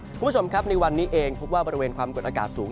คุณผู้ชมครับในวันนี้เองพบว่าบริเวณความกดอากาศสูง